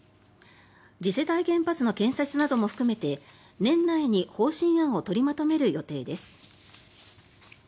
次世代原発の建設なども含めて年内に方針案を取りまとめる予定です。